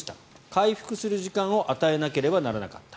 回復する時間を与えなければならなかった。